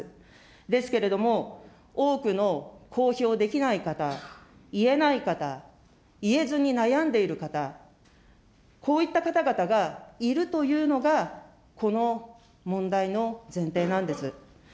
ですけれども、多くの公表できない方、言えない方、言えずに悩んでいる方、こういった方々がいるというのが、この問題の前提なんです。